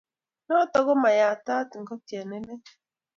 Noto ko mayayatab ngokchet nelel